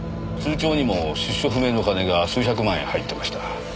通帳にも出所不明の金が数百万円入ってました。